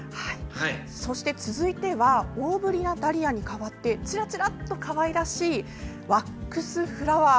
そして、続いては大ぶりなダリアにかわってちらちらとかわいらしいワックスフラワー。